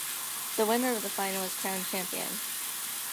The winner of the final is crowned champion.